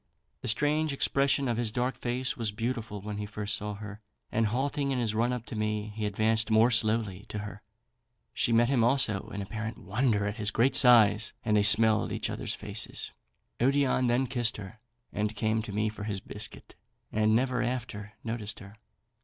The strange expression of his dark face was beautiful when he first saw her; and halting in his run up to me, he advanced more slowly directly to her, she met him also in apparent wonder at his great size, and they smelled each others' faces. Odion then kissed her, and came to me for his biscuit, and never after noticed her.